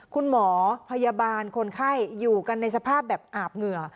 คุณหมอพยาบาลคนไข้อยู่กันในสภาพแบบอาบเหงื่อ